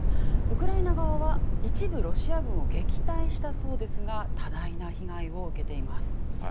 ウクライナ側は一部ロシア軍を撃退したそうですが多大な被害を受けています。